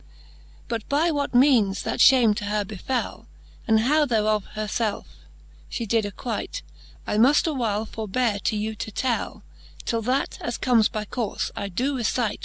XVII. But by what meanes that fhame to her befell, And how thereof her felfe fhe did acquite, I muft awhile forbeare to you to tell; Till that, as comes by courfe, I doe recite.